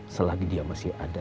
selagi dia masih ada